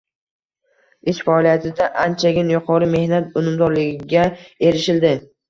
Ish faoliyatida anchagina yuqori mehnat unumdorligiga erishildi.